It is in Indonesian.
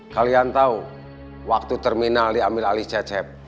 kalian tahu waktu terminal diambil alih cecep